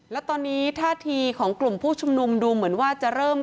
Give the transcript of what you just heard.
แล้วตอนนี้ท่าทีของกลุ่มผู้ชุมนุมดูเหมือนว่าจะเริ่ม